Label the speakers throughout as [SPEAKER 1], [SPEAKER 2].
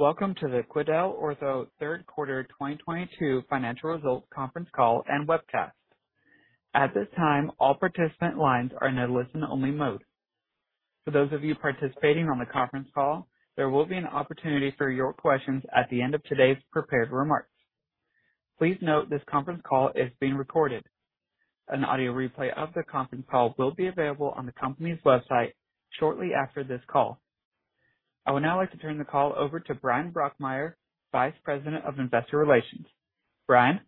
[SPEAKER 1] Welcome to the QuidelOrtho Q3 2022 financial results conference call and webcast. At this time, all participant lines are in a listen-only mode. For those of you participating on the conference call, there will be an opportunity for your questions at the end of today's prepared remarks. Please note this conference call is being recorded. An audio replay of the conference call will be available on the company's website shortly after this call. I would now like to turn the call over to Brian Blaser, Vice President of Investor Relations. Brian?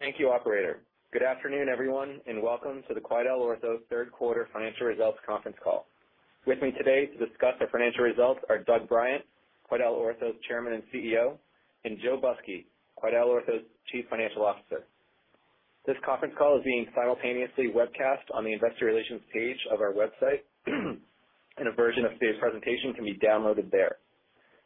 [SPEAKER 2] Thank you, operator. Good afternoon, everyone, and welcome to the QuidelOrtho Q3 financial results conference call. With me today to discuss our financial results are Doug Bryant, QuidelOrtho's Chairman and CEO, and Joe Busky, QuidelOrtho's Chief Financial Officer. This conference call is being simultaneously webcast on the investor relations page of our website, and a version of today's presentation can be downloaded there.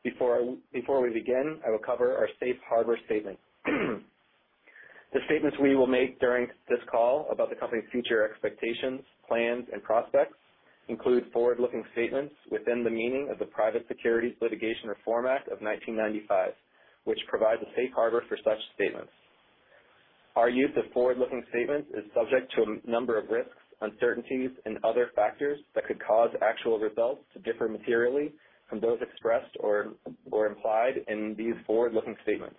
[SPEAKER 2] Before we begin, I will cover our safe harbor statement. The statements we will make during this call about the company's future expectations, plans, and prospects include forward-looking statements within the meaning of the Private Securities Litigation Reform Act of 1995, which provides a safe harbor for such statements. Our use of forward-looking statements is subject to a number of risks, uncertainties and other factors that could cause actual results to differ materially from those expressed or implied in these forward-looking statements.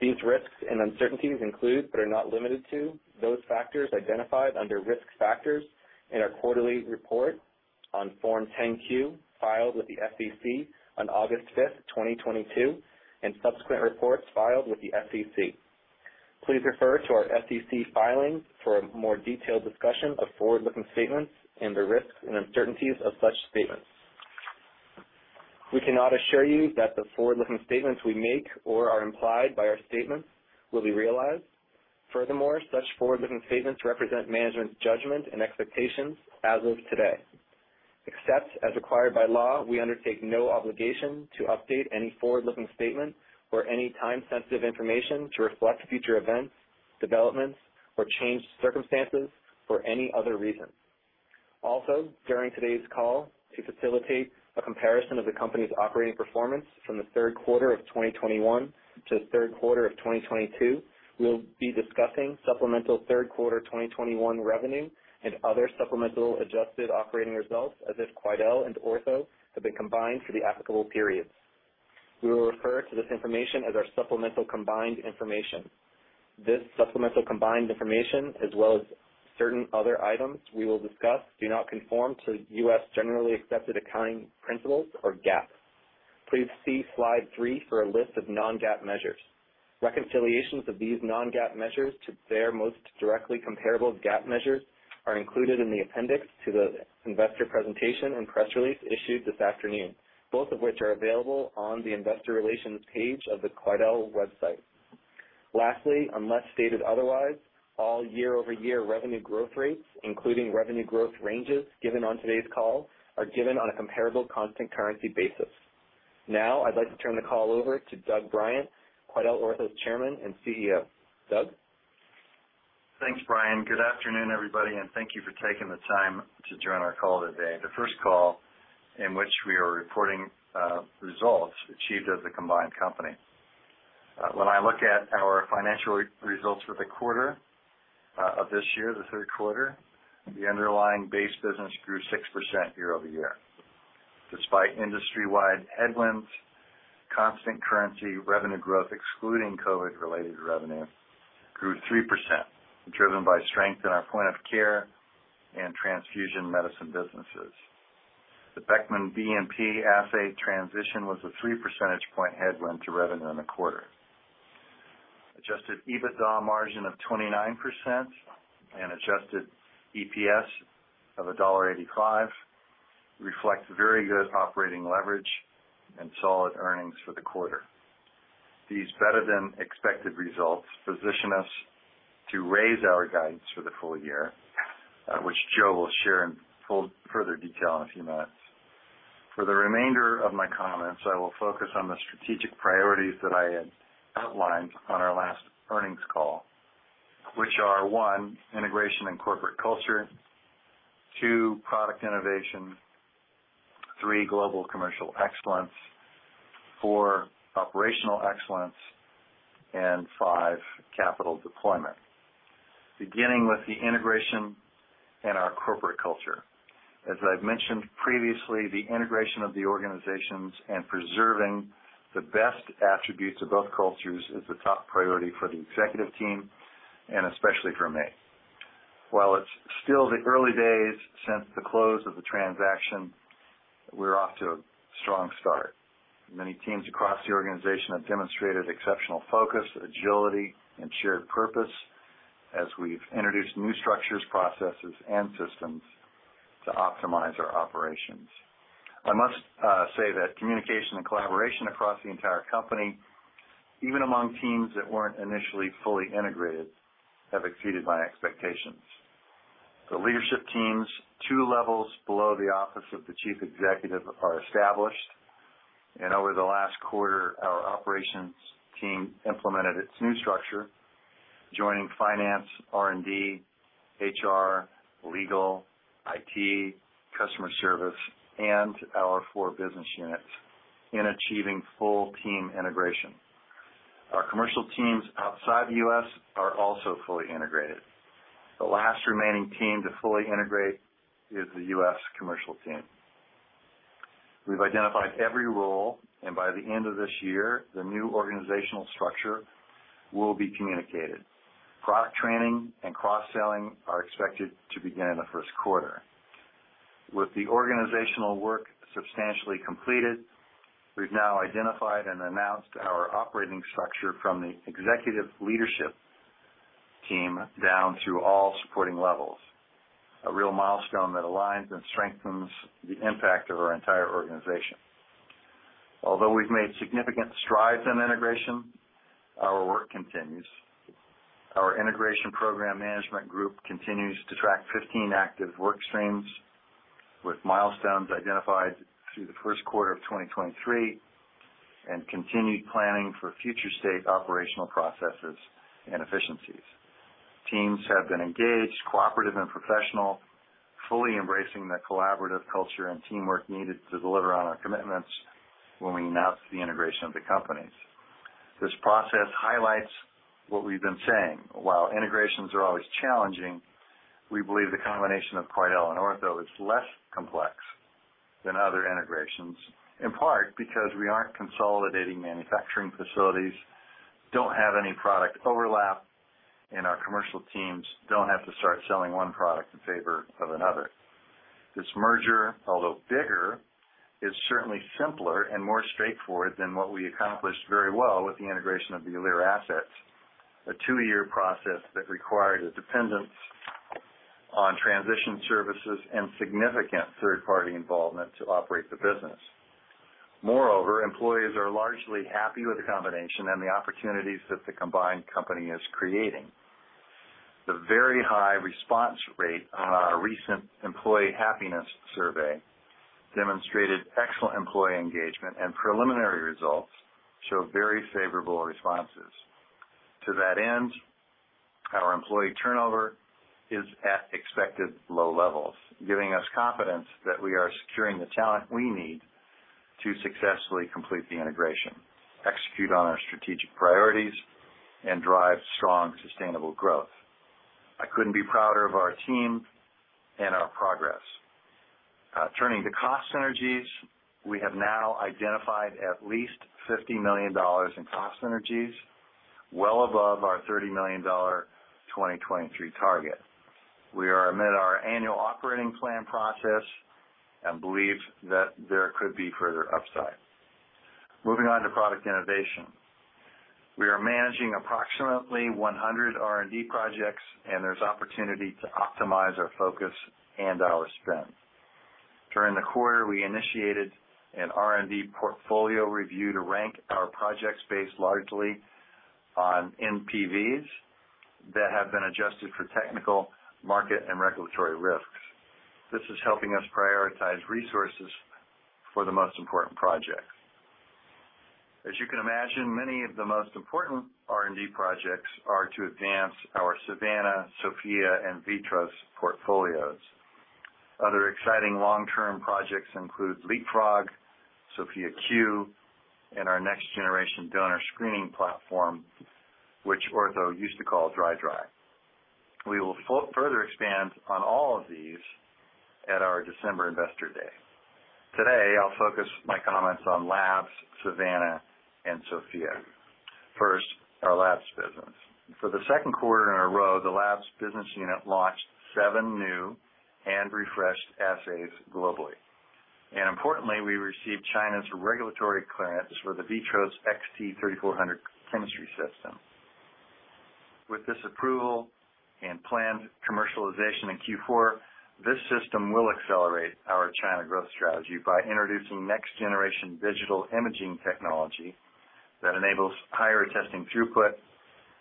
[SPEAKER 2] These risks and uncertainties include, but are not limited to, those factors identified under Risk Factors in our quarterly report on Form 10-Q filed with the SEC on 5 August 2022, and subsequent reports filed with the SEC. Please refer to our SEC filings for a more detailed discussion of forward-looking statements and the risks and uncertainties of such statements. We cannot assure you that the forward-looking statements we make or are implied by our statements will be realized. Furthermore, such forward-looking statements represent management's judgment and expectations as of today. Except as required by law, we undertake no obligation to update any forward-looking statement or any time-sensitive information to reflect future events, developments, or changed circumstances for any other reason. Also, during today's call, to facilitate a comparison of the company's operating performance from the Q3 of 2021 to the Q3 of 2022, we'll be discussing supplemental Q3 2021 revenue and other supplemental adjusted operating results as if Quidel and Ortho have been combined for the applicable periods. We will refer to this information as our supplemental combined information. This supplemental combined information, as well as certain other items we will discuss, do not conform to U.S. generally accepted accounting principles or GAAP. Please see slide 3 for a list of non-GAAP measures. Reconciliations of these non-GAAP measures to their most directly comparable GAAP measures are included in the appendix to the investor presentation and press release issued this afternoon, both of which are available on the investor relations page of the QuidelOrtho website. Lastly, unless stated otherwise, all year-over-year revenue growth rates, including revenue growth ranges given on today's call, are given on a comparable constant currency basis. Now, I'd like to turn the call over to Doug Bryant, QuidelOrtho's Chairman and CEO. Doug?
[SPEAKER 3] Thanks, Brian. Good afternoon, everybody, and thank you for taking the time to join our call today, the first call in which we are reporting results achieved as a combined company. When I look at our financial results for the quarter of this year, the Q3, the underlying base business grew 6% year-over-year. Despite industry-wide headwinds, constant currency revenue growth, excluding COVID-related revenue, grew 3%, driven by strength in our point-of-care and transfusion medicine businesses. The Beckman BNP assay transition was a 3 percentage points headwind to revenue in the quarter. Adjusted EBITDA margin of 29% and adjusted EPS of $1.85 reflects very good operating leverage and solid earnings for the quarter. These better than expected results position us to raise our guidance for the full year, which Joe will share in full further detail in a few minutes. For the remainder of my comments, I will focus on the strategic priorities that I had outlined on our last earnings call, which are, one, integration and corporate culture. Two, product innovation. Three, global commercial excellence. Four, operational excellence. Five, capital deployment. Beginning with the integration and our corporate culture. As I've mentioned previously, the integration of the organizations and preserving the best attributes of both cultures is the top priority for the executive team and especially for me. While it's still the early days since the close of the transaction, we're off to a strong start. Many teams across the organization have demonstrated exceptional focus, agility, and shared purpose as we've introduced new structures, processes, and systems to optimize our operations. I must say that communication and collaboration across the entire company, even among teams that weren't initially fully integrated, have exceeded my expectations. The leadership teams two levels below the office of the chief executive are established. Over the last quarter, our operations team implemented its new structure, joining finance, R&D, HR, legal, IT, customer service, and our four business units in achieving full team integration. Our commercial teams outside the US are also fully integrated. The last remaining team to fully integrate is the US commercial team. We've identified every role, and by the end of this year, the new organizational structure will be communicated. Product training and cross-selling are expected to begin in the Q!. With the organizational work substantially completed, we've now identified and announced our operating structure from the executive leadership team down through all supporting levels, a real milestone that aligns and strengthens the impact of our entire organization. Although we've made significant strides in integration, our work continues. Our integration program management group continues to track 15 active work streams, with milestones identified through the Q1 of 2023, and continued planning for future state operational processes and efficiencies. Teams have been engaged, cooperative, and professional, fully embracing the collaborative culture and teamwork needed to deliver on our commitments when we announced the integration of the companies. This process highlights what we've been saying. While integrations are always challenging, we believe the combination of Quidel and Ortho is less complex than other integrations, in part because we aren't consolidating manufacturing facilities, don't have any product overlap, and our commercial teams don't have to start selling one product in favor of another. This merger, although bigger, is certainly simpler and more straightforward than what we accomplished very well with the integration of the Alere assets, a two-year process that required a dependence on transition services and significant third-party involvement to operate the business. Moreover, employees are largely happy with the combination and the opportunities that the combined company is creating. The very high response rate on our recent employee happiness survey demonstrated excellent employee engagement, and preliminary results show very favorable responses. To that end, our employee turnover is at expected low levels, giving us confidence that we are securing the talent we need to successfully complete the integration, execute on our strategic priorities, and drive strong, sustainable growth. I couldn't be prouder of our team and our progress. Turning to cost synergies, we have now identified at least $50 million in cost synergies, well above our $30 million 2023 target. We are amid our annual operating plan process and believe that there could be further upside. Moving on to product innovation. We are managing approximately 100 R&D projects, and there's opportunity to optimize our focus and our spend. During the quarter, we initiated an R&D portfolio review to rank our projects based largely on NPVs that have been adjusted for technical, market, and regulatory risks. This is helping us prioritize resources for the most important projects. As you can imagine, many of the most important R&D projects are to advance our Savanna, Sofia, and Vitros portfolios. Other exciting long-term projects include Leapfrog, Sofia Q, and our next-generation donor screening platform, which Ortho used to call DRI. We will further expand on all of these at our December investor day. Today, I'll focus my comments on labs, Savanna, and Sofia. First, our labs business. For the Q2 in a row, the labs business unit launched seven new and refreshed assays globally. Importantly, we received China's regulatory clearance for the Vitros XT 3400 chemistry system. With this approval and planned commercialization in Q4, this system will accelerate our China growth strategy by introducing next-generation digital imaging technology that enables higher testing throughput,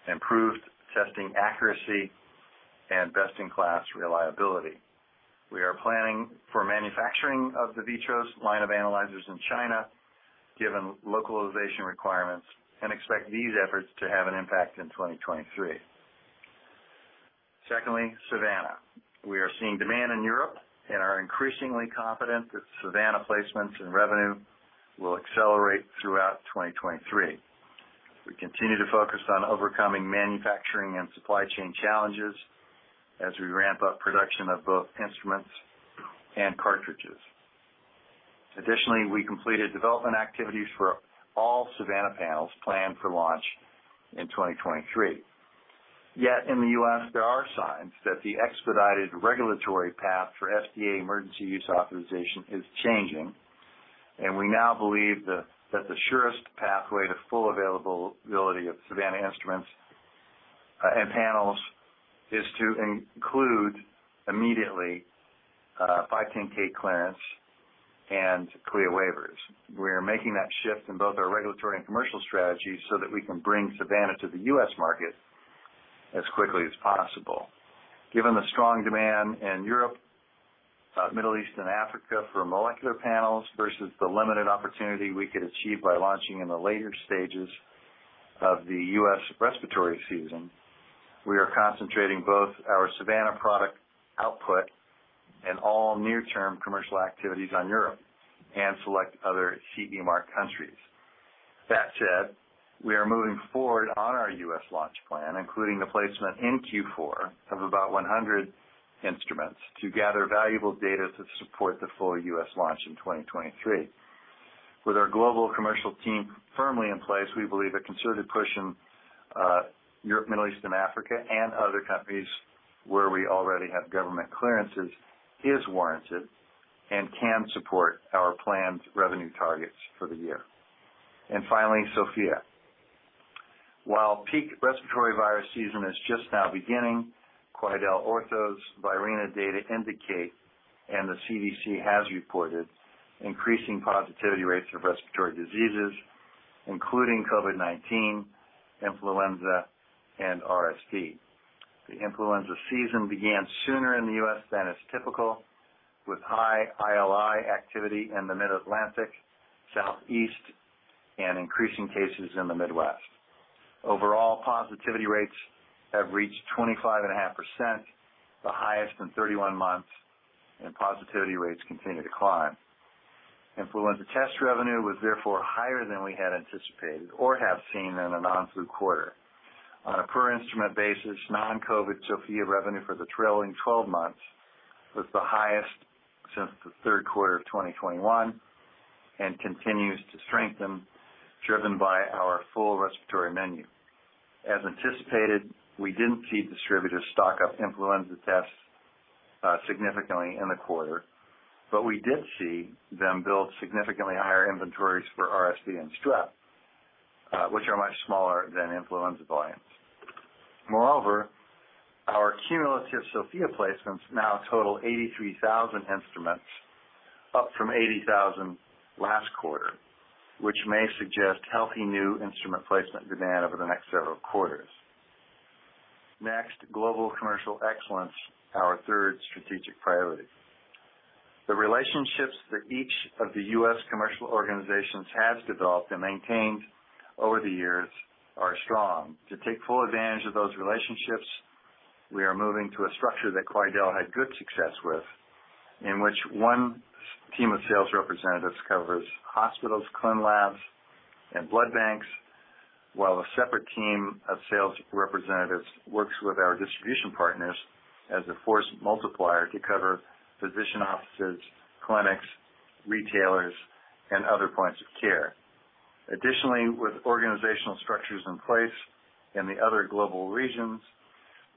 [SPEAKER 3] improved testing accuracy, and best-in-class reliability. We are planning for manufacturing of the Vitros line of analyzers in China, given localization requirements, and expect these efforts to have an impact in 2023. Secondly, Savanna. We are seeing demand in Europe and are increasingly confident that Savanna placements and revenue will accelerate throughout 2023. We continue to focus on overcoming manufacturing and supply chain challenges as we ramp up production of both instruments and cartridges. Additionally, we completed development activities for all Savanna panels planned for launch in 2023. Yet in the US, there are signs that the expedited regulatory path for FDA Emergency Use Authorization is changing, and we now believe that the surest pathway to full availability of Savanna instruments and panels is to include immediately 510K clearance and CLIA waivers. We are making that shift in both our regulatory and commercial strategy so that we can bring Savanna to the US market as quickly as possible. Given the strong demand in Europe, Middle East, and Africa for molecular panels versus the limited opportunity we could achieve by launching in the later stages of the US respiratory season, we are concentrating both our Savanna product output and all near-term commercial activities on Europe and select other CE mark countries. That said, we are moving forward on our US launch plan, including the placement in Q4 of about 100 instruments to gather valuable data to support the full US launch in 2023. With our global commercial team firmly in place, we believe a concerted push in Europe, Middle East and Africa and other countries where we already have government clearances is warranted and can support our planned revenue targets for the year. Finally, Sofia. While peak respiratory virus season is just now beginning, QuidelOrtho's Virena data indicate, and the CDC has reported, increasing positivity rates of respiratory diseases, including COVID-19, influenza and RSV. The influenza season began sooner in the US than is typical, with high ILI activity in the Mid-Atlantic, Southeast and increasing cases in the Midwest. Overall positivity rates have reached 25.5%, the highest in 31 months, and positivity rates continue to climb. Influenza test revenue was therefore higher than we had anticipated or have seen in a non-flu quarter. On a per instrument basis, non-COVID Sofia revenue for the trailing twelve months was the highest since the Q3 of 2021 and continues to strengthen, driven by our full respiratory menu. As anticipated, we didn't see distributors stock up influenza tests significantly in the quarter, but we did see them build significantly higher inventories for RSV and strep, which are much smaller than influenza volumes. Moreover, our cumulative Sofia placements now total 83,000 instruments, up from 80,000 last quarter, which may suggest healthy new instrument placement demand over the next several quarters. Next, global commercial excellence, our third strategic priority. The relationships that each of the U.S. commercial organizations has developed and maintained over the years are strong. To take full advantage of those relationships, we are moving to a structure that Quidel had good success with, in which one team of sales representatives covers hospitals, clin labs, and blood banks, while a separate team of sales representatives works with our distribution partners as a force multiplier to cover physician offices, clinics, retailers, and other points of care. Additionally, with organizational structures in place in the other global regions,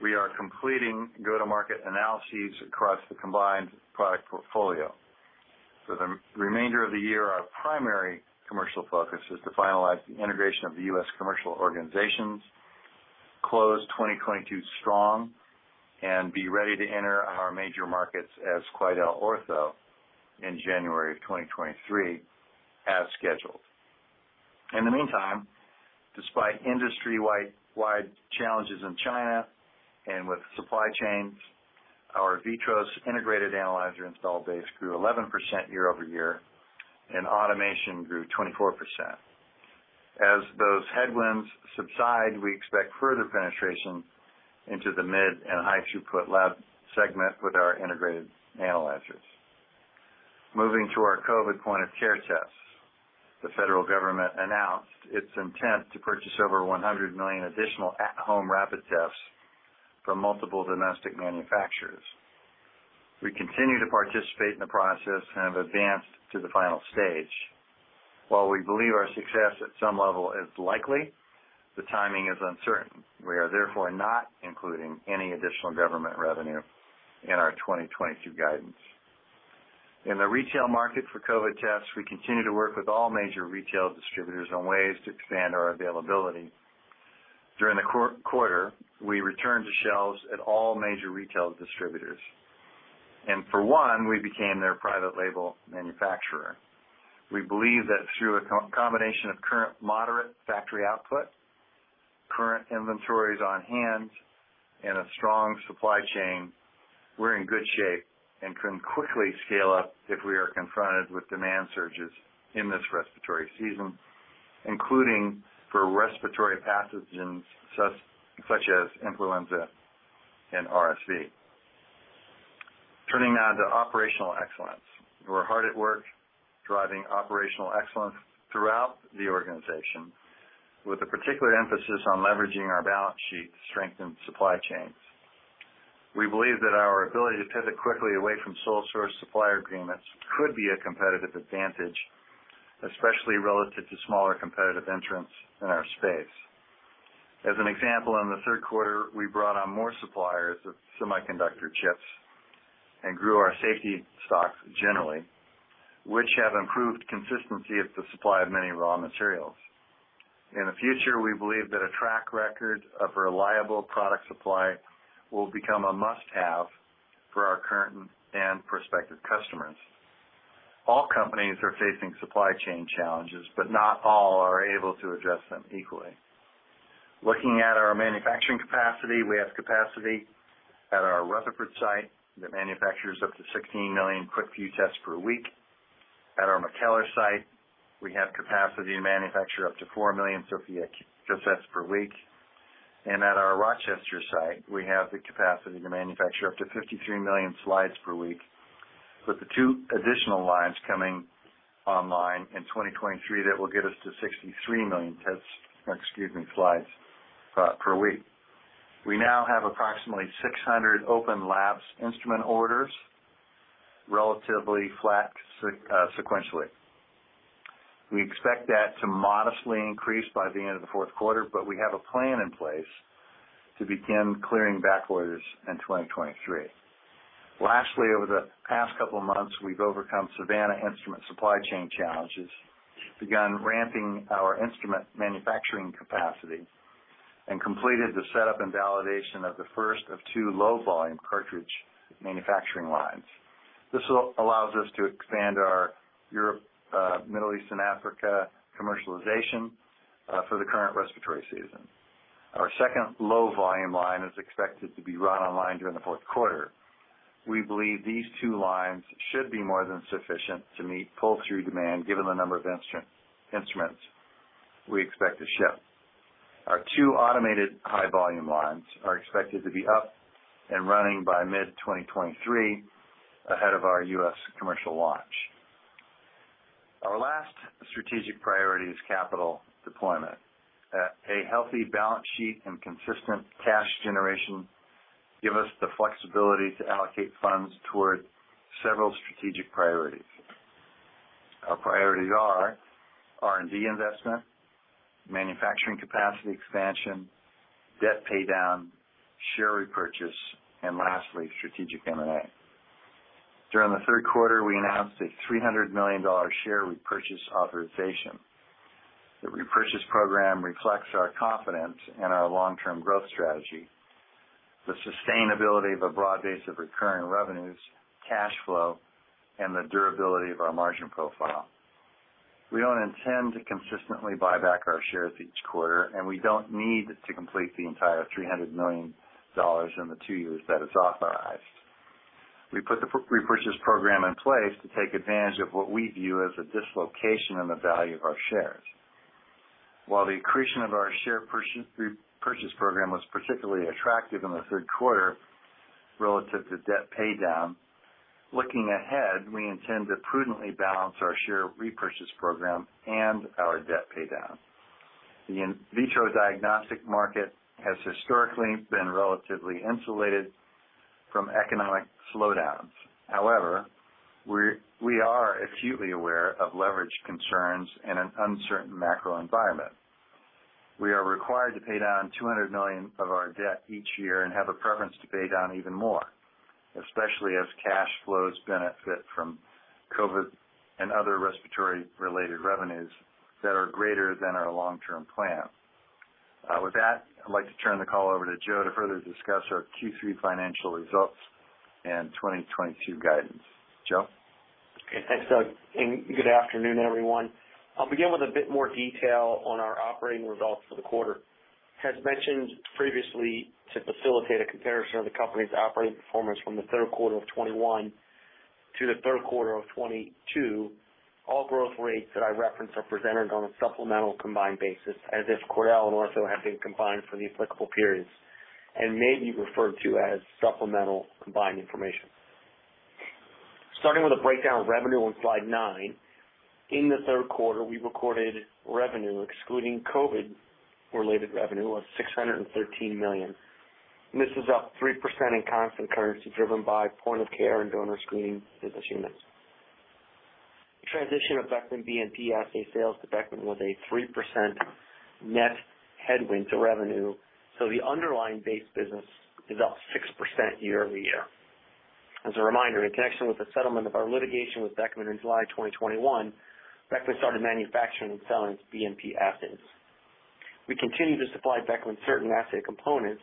[SPEAKER 3] we are completing go-to-market analyses across the combined product portfolio. For the remainder of the year, our primary commercial focus is to finalize the integration of the U.S. commercial organizations, close 2022 strong and be ready to enter our major markets as QuidelOrtho in January of 2023 as scheduled. In the meantime, despite industry-wide challenges in China and with supply chains, our Vitros integrated analyzer installed base grew 11% year-over-year, and automation grew 24%. As those headwinds subside, we expect further penetration into the mid and high throughput lab segment with our integrated analyzers. Moving to our COVID point of care tests. The federal government announced its intent to purchase over 100 million additional at-home rapid tests from multiple domestic manufacturers. We continue to participate in the process and have advanced to the final stage. While we believe our success at some level is likely, the timing is uncertain. We are therefore not including any additional government revenue in our 2022 guidance. In the retail market for COVID tests, we continue to work with all major retail distributors on ways to expand our availability. During the quarter, we returned to shelves at all major retail distributors, and for one, we became their private label manufacturer. We believe that through a combination of current moderate factory output, current inventories on hand, and a strong supply chain, we're in good shape and can quickly scale up if we are confronted with demand surges in this respiratory season, including for respiratory pathogens such as influenza and RSV. Turning now to operational excellence. We're hard at work driving operational excellence throughout the organization with a particular emphasis on leveraging our balance sheet to strengthen supply chains. We believe that our ability to pivot quickly away from sole source supplier agreements could be a competitive advantage, especially relative to smaller competitive entrants in our space. As an example, in the Q3, we brought on more suppliers of semiconductor chips and grew our safety stocks generally, which have improved consistency of the supply of many raw materials. In the future, we believe that a track record of reliable product supply will become a must-have for our current and prospective customers. All companies are facing supply chain challenges, but not all are able to address them equally. Looking at our manufacturing capacity, we have capacity at our Rutherford site that manufactures up to 16 million QuickVue tests per week. At our McKellar site, we have capacity to manufacture up to 4 million Sofia kits per week. At our Rochester site, we have the capacity to manufacture up to 53 million slides per week, with the two additional lines coming online in 2023 that will get us to 63 million tests, or excuse me, slides, per week. We now have approximately 600 open labs instrument orders, relatively flat sequentially. We expect that to modestly increase by the end of the Q4, but we have a plan in place to begin clearing back orders in 2023. Lastly, over the past couple of months, we've overcome Savanna instrument supply chain challenges, begun ramping our instrument manufacturing capacity, and completed the setup and validation of the first of two low-volume cartridge manufacturing lines. This allows us to expand our Europe, Middle East, and Africa commercialization for the current respiratory season. Our second low volume line is expected to be run online during the Q4. We believe these two lines should be more than sufficient to meet pull-through demand given the number of instruments we expect to ship. Our two automated high-volume lines are expected to be up and running by mid-2023, ahead of our US commercial launch. Our last strategic priority is capital deployment. A healthy balance sheet and consistent cash generation give us the flexibility to allocate funds toward several strategic priorities. Our priorities are R&D investment, manufacturing capacity expansion, debt paydown, share repurchase, and lastly, strategic M&A. During the Q3, we announced a $300 million share repurchase authorization. The repurchase program reflects our confidence in our long-term growth strategy, the sustainability of a broad base of recurring revenues, cash flow, and the durability of our margin profile. We don't intend to consistently buy back our shares each quarter, and we don't need to complete the entire $300 million in the two years that it's authorized. We put the repurchase program in place to take advantage of what we view as a dislocation in the value of our shares. While the accretion of our share repurchase, program was particularly attractive in the Q3 relative to debt paydown, looking ahead, we intend to prudently balance our share repurchase program and our debt paydown. The in vitro diagnostic market has historically been relatively insulated from economic slowdowns. However, we are acutely aware of leverage concerns in an uncertain macro environment. We are required to pay down $200 million of our debt each year and have a preference to pay down even more, especially as cash flows benefit from COVID and other respiratory-related revenues that are greater than our long-term plan. With that, I'd like to turn the call over to Joe to further discuss our Q3 financial results and 2022 guidance. Joe?
[SPEAKER 4] Okay. Thanks, Doug, and good afternoon, everyone. I'll begin with a bit more detail on our operating results for the quarter. As mentioned previously, to facilitate a comparison of the company's operating performance from the Q3 of 2021 to the Q3 of 2022, all growth rates that I reference are presented on a supplemental combined basis as if Quidel and Ortho have been combined for the applicable periods and may be referred to as supplemental combined information. Starting with a breakdown of revenue on slide 9, in the Q3, we recorded revenue excluding COVID-related revenue of $613 million. This is up 3% in constant currency driven by point of care and donor screening business units. The transition of Beckman Coulter BNP assay sales to Beckman Coulter was a 3% net headwind to revenue, so the underlying base business is up 6% year-over-year. As a reminder, in connection with the settlement of our litigation with Beckman Coulter in July 2021, Beckman Coulter started manufacturing and selling its BNP assays. We continue to supply Beckman Coulter certain assay components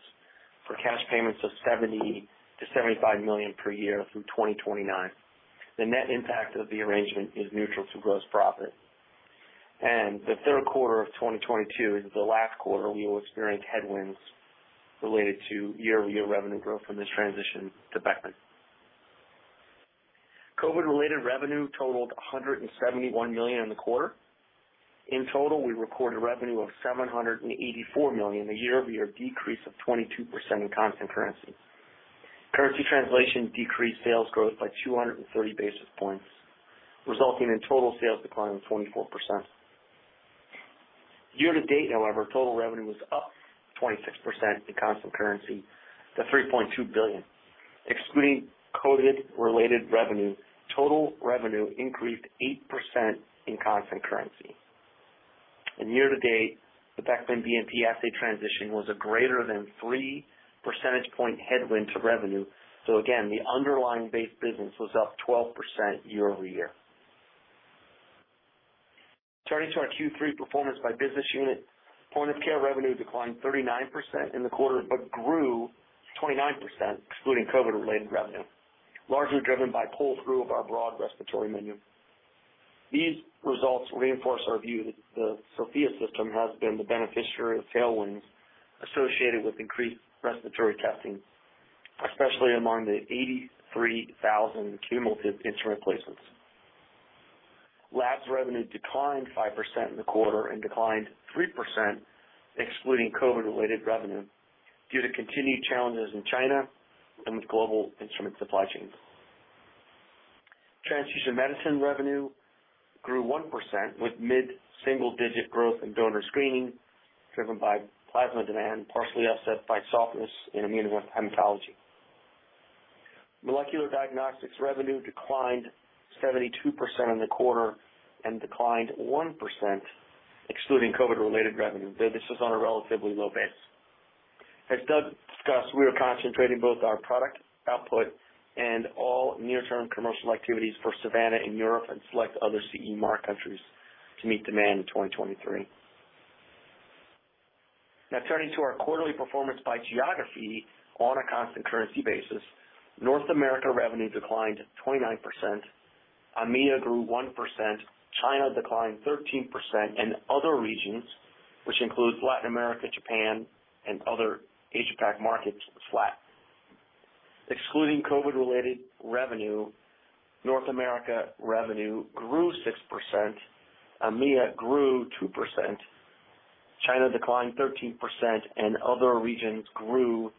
[SPEAKER 4] for cash payments of $70 to 75 million per year through 2029. The net impact of the arrangement is neutral to gross profit. The Q3 of 2022 is the last quarter we will experience headwinds related to year-over-year revenue growth from this transition to Beckman Coulter. COVID-related revenue totaled $171 million in the quarter. In total, we recorded revenue of $784 million, a year-over-year decrease of 22% in constant currency. Currency translation decreased sales growth by 230 basis points, resulting in total sales decline of 24%. Year to date, however, total revenue was up 26% in constant currency to $3.2 billion. Excluding COVID-related revenue, total revenue increased 8% in constant currency. Year to date, the Beckman BNP assay transition was a greater than 3 percentage point headwind to revenue. Again, the underlying base business was up 12% year-over-year. Turning to our Q3 performance by business unit. Point-of-care revenue declined 39% in the quarter, but grew 29% excluding COVID-related revenue, largely driven by pull-through of our broad respiratory menu. These results reinforce our view that the Sofia system has been the beneficiary of tailwinds associated with increased respiratory testing, especially among the 83,000 cumulative instrument replacements. Labs revenue declined 5% in the quarter and declined 3% excluding COVID related revenue due to continued challenges in China and with global instrument supply chains. Transfusion medicine revenue grew 1% with mid-single-digit growth in donor screening, driven by plasma demand, partially offset by softness in immunohematology. Molecular diagnostics revenue declined 72% in the quarter and declined 1% excluding COVID related revenue. This is on a relatively low base. As Doug discussed, we are concentrating both our product output and all near-term commercial activities for Savanna in Europe and select other CE mark countries to meet demand in 2023. Now turning to our quarterly performance by geography on a constant currency basis. North America revenue declined 29%. EMEA grew 1%. China declined 13%. Other regions, which includes Latin America, Japan, and other Asia Pac markets, was flat. Excluding COVID-related revenue, North America revenue grew 6%, EMEA grew 2%, China declined 13%, and other regions grew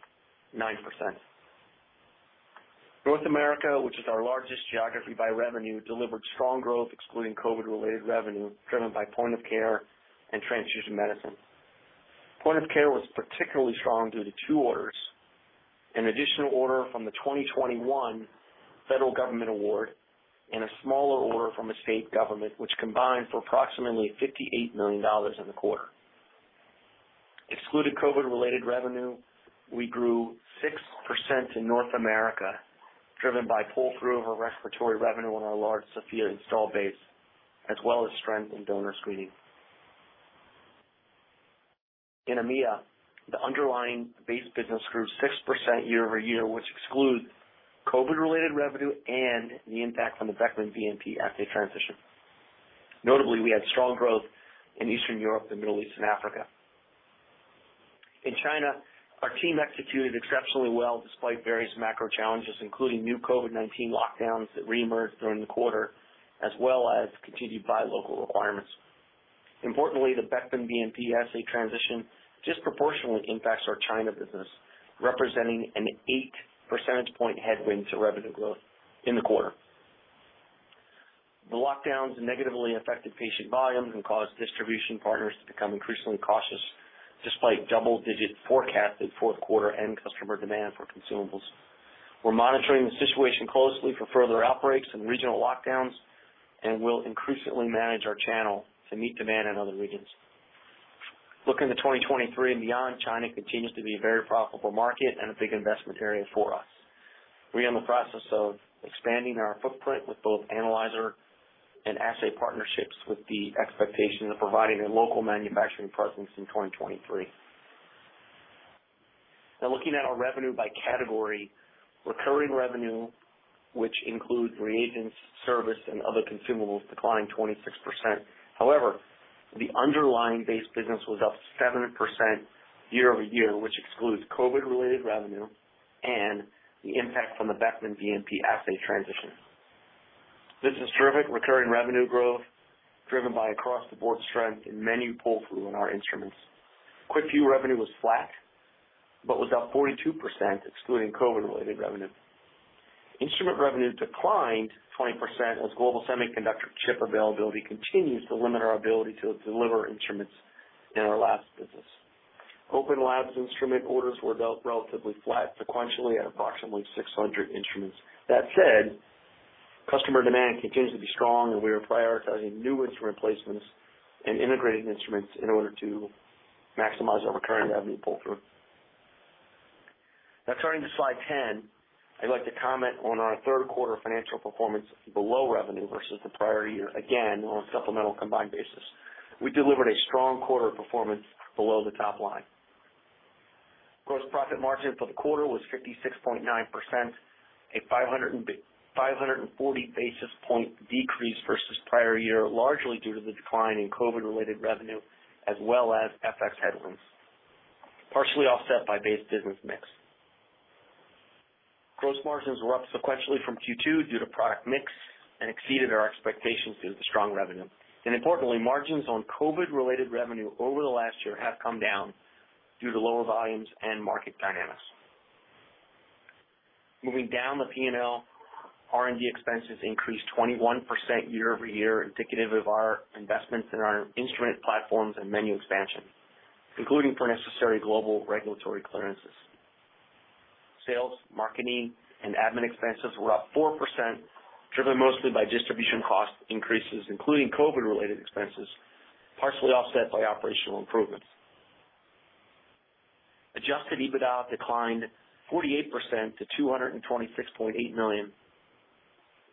[SPEAKER 4] 9%. North America, which is our largest geography by revenue, delivered strong growth excluding COVID-related revenue driven by point-of-care and transfusion medicine. Point-of-care was particularly strong due to two orders, an additional order from the 2021 federal government award and a smaller order from a state government which combined for approximately $58 million in the quarter. Excluding COVID-related revenue, we grew 6% in North America, driven by pull-through of our respiratory revenue on our large Sofia install base, as well as strength in donor screening. In EMEA, the underlying base business grew 6% year-over-year, which excludes COVID-related revenue and the impact from the Beckman BNP assay transition. Notably, we had strong growth in Eastern Europe, the Middle East and Africa. In China, our team executed exceptionally well despite various macro challenges, including new COVID-19 lockdowns that reemerged during the quarter, as well as continued buy local requirements. Importantly, the Beckman Coulter BNP assay transition disproportionately impacts our China business, representing an eight percentage point headwind to revenue growth in the quarter. The lockdowns negatively affected patient volumes and caused distribution partners to become increasingly cautious despite double-digit forecasted Q4 end customer demand for consumables. We're monitoring the situation closely for further outbreaks and regional lockdowns, and we'll increasingly manage our channel to meet demand in other regions. Looking to 2023 and beyond, China continues to be a very profitable market and a big investment area for us. We are in the process of expanding our footprint with both analyzer and assay partnerships with the expectation of providing a local manufacturing presence in 2023. Now looking at our revenue by category. Recurring revenue, which includes reagents, service, and other consumables, declined 26%. However, the underlying base business was up 7% year-over-year, which excludes COVID related revenue and the impact from the Beckman BNP assay transition. This is terrific recurring revenue growth driven by across the board strength and menu pull-through in our instruments. QuickVue revenue was flat, but was up 42% excluding COVID related revenue. Instrument revenue declined 20% as global semiconductor chip availability continues to limit our ability to deliver instruments in our labs business. Open labs instrument orders were relatively flat sequentially at approximately 600 instruments. That said, customer demand continues to be strong and we are prioritizing new instrument placements and integrated instruments in order to maximize our recurring revenue pull-through. Now, turning to slide 10. I'd like to comment on our Q3 financial performance. Below revenue versus the prior year, again, on a supplemental combined basis. We delivered a strong quarter performance below the top line. Gross profit margin for the quarter was 56.9%, a 540 basis point decrease versus prior year, largely due to the decline in COVID related revenue as well as FX headwinds, partially offset by base business mix. Gross margins were up sequentially from Q2 due to product mix and exceeded our expectations due to the strong revenue. Importantly, margins on COVID related revenue over the last year have come down due to lower volumes and market dynamics. Moving down the P&L, R&D expenses increased 21% year over year, indicative of our investments in our instrument platforms and menu expansion, including for necessary global regulatory clearances. Sales, marketing, and admin expenses were up 4%, driven mostly by distribution cost increases, including COVID related expenses, partially offset by operational improvements. Adjusted EBITDA declined 48% to $226.8 million,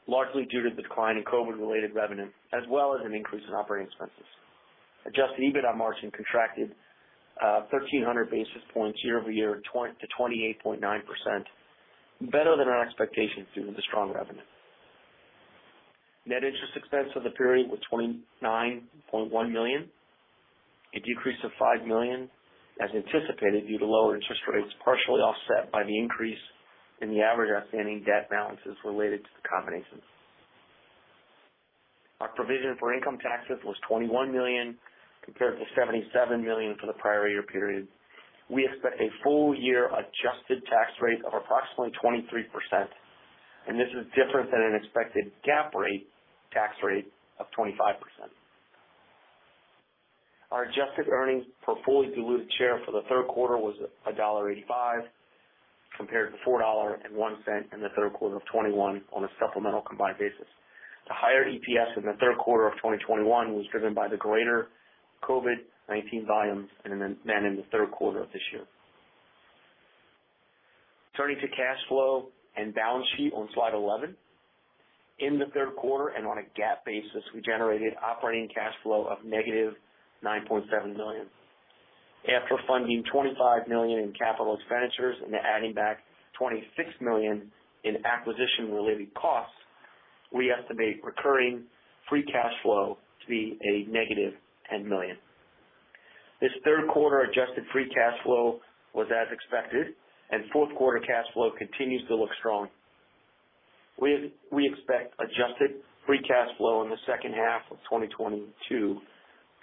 [SPEAKER 4] largely due to the decline in COVID-related revenue as well as an increase in operating expenses. Adjusted EBITDA margin contracted 1,300 basis points year-over-year to 28.9%, better than our expectations due to the strong revenue. Net interest expense for the period was $29.1 million, a decrease of $5 million as anticipated due to lower interest rates, partially offset by the increase in the average outstanding debt balances related to the combination. Our provision for income taxes was $21 million, compared to $77 million for the prior year period. We expect a full year adjusted tax rate of approximately 23%, and this is different than an expected GAAP rate, tax rate of 25%. Our adjusted earnings per fully diluted share for the Q3 was $1.85, compared to $4.01 in the Q3 of 2021 on a supplemental combined basis. The higher EPS in the Q3 of 2021 was driven by the greater COVID-19 volumes than in the Q3 of this year. Turning to cash flow and balance sheet on slide 11. In the Q3, and on a GAAP basis, we generated operating cash flow of -$9.7 million. After funding $25 million in capital expenditures and adding back $26 million in acquisition-related costs, we estimate recurring free cash flow to be a negative $10 million. This Q3 adjusted free cash flow was as expected, and Q4 cash flow continues to look strong. We expect adjusted free cash flow in the H2 of 2022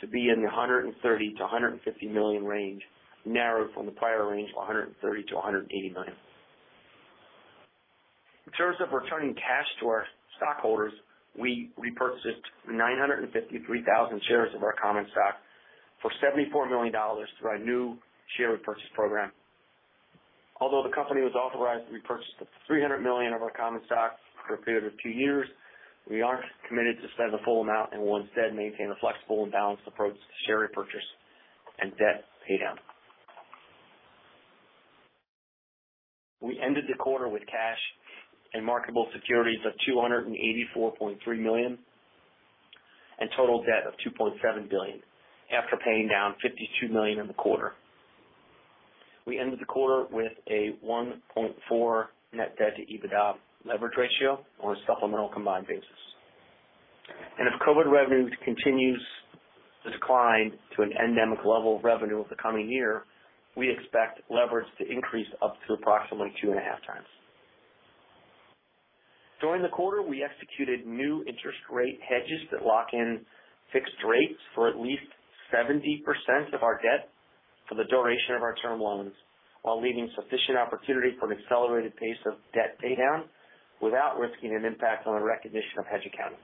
[SPEAKER 4] to be in the $130 to 150 million range, narrowed from the prior range of $130 to 180 million. In terms of returning cash to our stockholders, we repurchased 953,000 shares of our common stock for $74 million through our new share repurchase program. Although the company was authorized to repurchase up to $300 million of our common stock for a period of two years, we aren't committed to spend the full amount and will instead maintain a flexible and balanced approach to share repurchase and debt paydown. We ended the quarter with cash and marketable securities of $284.3 million and total debt of $2.7 billion after paying down $52 million in the quarter. We ended the quarter with a 1.4 net debt to EBITDA leverage ratio on a supplemental combined basis. As COVID revenue continues to decline to an endemic level of revenue over the coming year, we expect leverage to increase up to approximately 2.5 times. During the quarter, we executed new interest rate hedges that lock in fixed rates for at least 70% of our debt for the duration of our term loans, while leaving sufficient opportunity for an accelerated pace of debt paydown without risking an impact on the recognition of hedge accounting.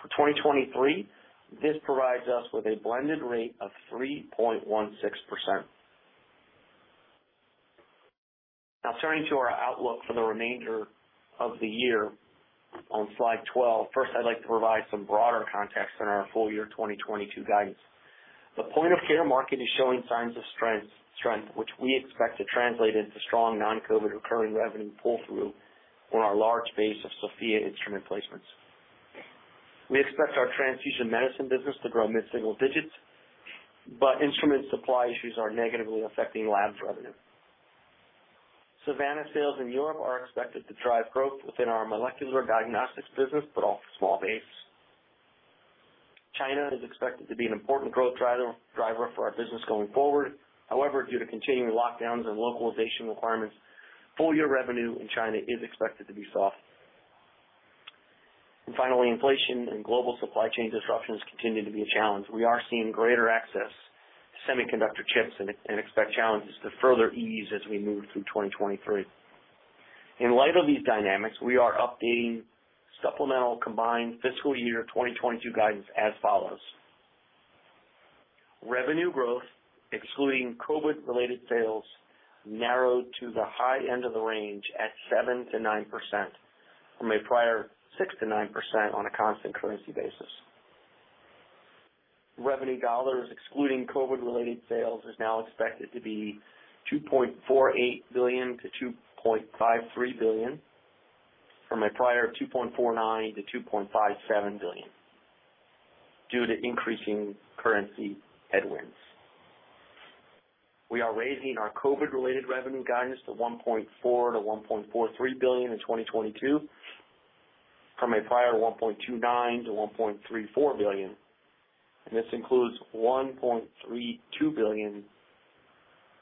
[SPEAKER 4] For 2023, this provides us with a blended rate of 3.16%. Now turning to our outlook for the remainder of the year on slide 12. First, I'd like to provide some broader context on our full year 2022 guidance. The point of care market is showing signs of strength, which we expect to translate into strong non-COVID recurring revenue pull-through on our large base of Sofia instrument placements. We expect our transfusion medicine business to grow mid-single digits, but instrument supply issues are negatively affecting labs revenue. Savanna sales in Europe are expected to drive growth within our molecular diagnostics business, but off a small base. China is expected to be an important growth driver for our business going forward. However, due to continuing lockdowns and localization requirements, full year revenue in China is expected to be soft. Finally, inflation and global supply chain disruptions continue to be a challenge. We are seeing greater access to semiconductor chips and expect challenges to further ease as we move through 2023. In light of these dynamics, we are updating supplemental combined fiscal year 2022 guidance as follows. Revenue growth, excluding COVID-related sales, narrowed to the high end of the range at 7 to 9% from a prior 6 to 9% on a constant currency basis. Revenue dollars excluding COVID-related sales is now expected to be $2.48 to 2.53 billion from a prior of $2.49 to 2.57 billion due to increasing currency headwinds. We are raising our COVID-related revenue guidance to $1.4 to 1.43 billion in 2022 from a prior $1.29 to 1.34 billion, and this includes $1.32 billion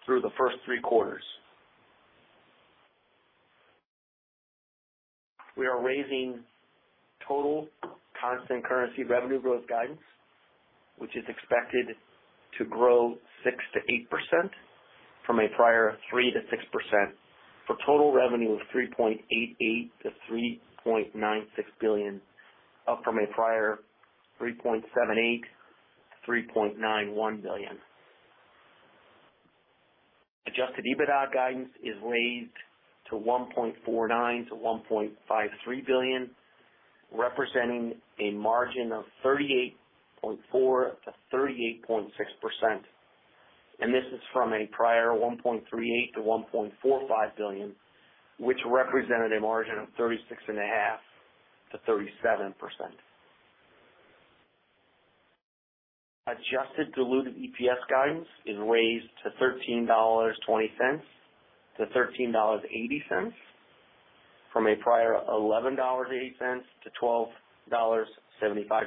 [SPEAKER 4] through the first three quarters. We are raising total constant currency revenue growth guidance, which is expected to grow 6 to 8% from a prior 3 to 6% for total revenue of $3.88 to 3.96 billion, up from a prior $3.78to 3.91 billion. Adjusted EBITDA guidance is raised to $1.49 to 1.53 billion, representing a margin of 38.4 to 38.6%. This is from a prior $1.38 to 1.45 billion, which represented a margin of 36.5 to 37%. Adjusted diluted EPS guidance is raised to $13.20 to 13.80 from a prior $11.08 to 12.75,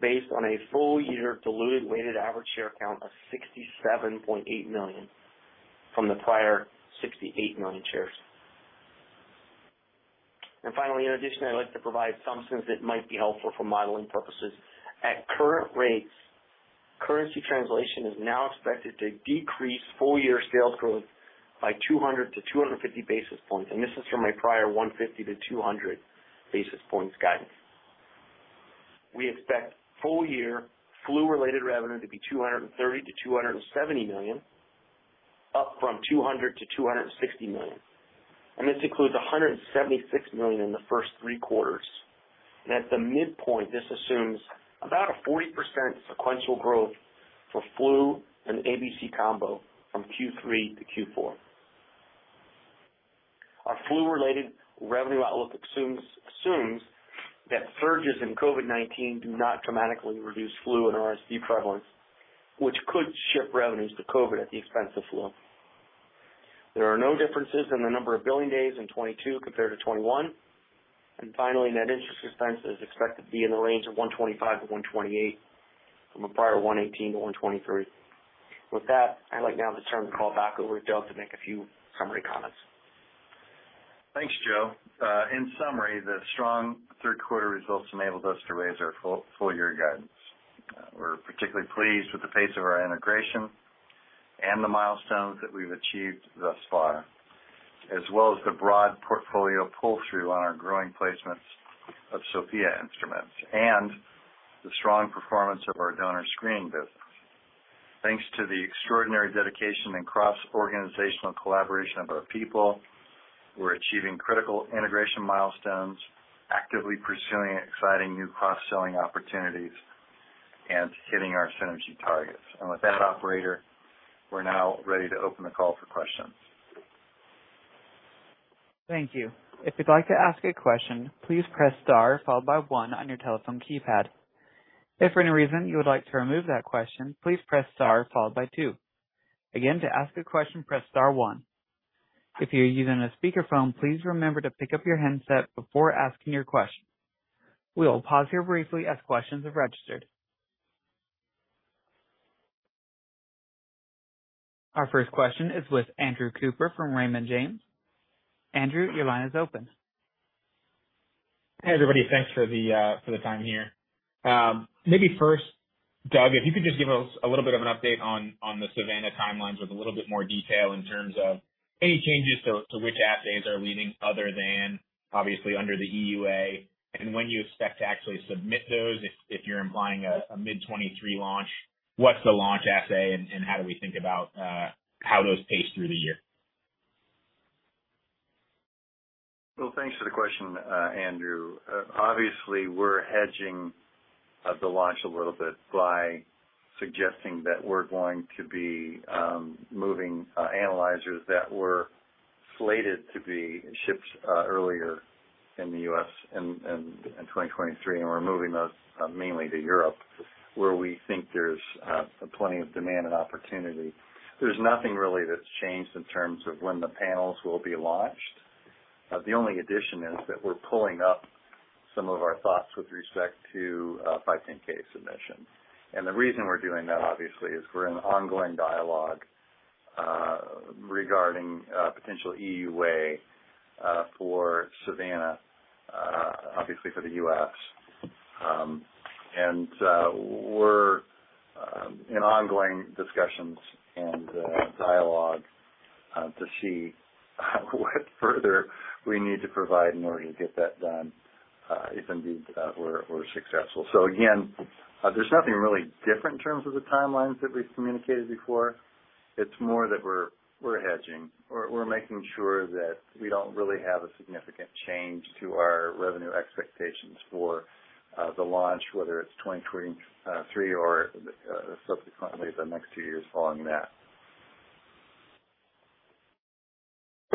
[SPEAKER 4] based on a full year diluted weighted average share count of 67.8 million from the prior 68 million shares. Finally, in addition, I'd like to provide some things that might be helpful for modeling purposes. At current rates, currency translation is now expected to decrease full year sales growth by 200 to 250 basis points, and this is from a prior 150 to 200 basis points guidance. We expect full year flu-related revenue to be $230 to 270 million, up from $200 to 260 million. This includes $176 million in the first three quarters. At the midpoint, this assumes about a 40% sequential growth for flu and ABC combo from Q3 to Q4. Our flu-related revenue outlook assumes that surges in COVID-19 do not dramatically reduce flu and RSV prevalence, which could shift revenues to COVID at the expense of flu. There are no differences in the number of billing days in 2022 compared to 2021. Finally, net interest expense is expected to be in the range of $125 to 128 from a prior $118 to 123. With that, I'd like now to turn the call back over to Doug to make a few summary comments.
[SPEAKER 3] Thanks, Joe. In summary, the strong Q3 results enabled us to raise our full year guidance. We're particularly pleased with the pace of our integration and the milestones that we've achieved thus far, as well as the broad portfolio pull-through on our growing placements of Sofia instruments and the strong performance of our donor screening business. Thanks to the extraordinary dedication and cross-organizational collaboration of our people, we're achieving critical integration milestones, actively pursuing exciting new cross-selling opportunities, and hitting our synergy targets. With that operator, we're now ready to open the call for questions.
[SPEAKER 1] Thank you. If you'd like to ask a question, please press Star followed by one on your telephone keypad. If for any reason you would like to remove that question, please press Star followed by two. Again, to ask a question, press Star one. If you're using a speakerphone, please remember to pick up your handset before asking your question. We will pause here briefly as questions are registered. Our first question is with Andrew Cooper from Raymond James. Andrew, your line is open.
[SPEAKER 5] Hey, everybody. Thanks for the time here. Maybe first, Doug, if you could just give us a little bit of an update on the Savanna timelines with a little bit more detail in terms of any changes to which assays are leading other than obviously under the EUA and when you expect to actually submit those. If you're implying a mid 2023 launch, what's the launch assay and how do we think about how those pace through the year?
[SPEAKER 3] Well, thanks for the question, Andrew. Obviously we're hedging the launch a little bit by suggesting that we're going to be moving analyzers that were slated to be shipped earlier in the US in 2023, and we're moving those mainly to Europe where we think there's plenty of demand and opportunity. There's nothing really that's changed in terms of when the panels will be launched. The only addition is that we're pulling up some of our thoughts with respect to a 510K submission. The reason we're doing that, obviously, is we're in ongoing dialogue regarding a potential EUA for Savanna, obviously for the US. We're in ongoing discussions and dialogue to see what further we need to provide in order to get that done, if indeed we're successful. Again, there's nothing really different in terms of the timelines that we've communicated before. It's more that we're hedging or we're making sure that we don't really have a significant change to our revenue expectations for the launch, whether it's 2023 or subsequently the next two years following that.